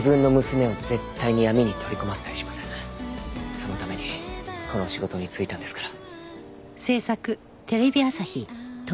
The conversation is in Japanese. そのためにこの仕事に就いたんですから。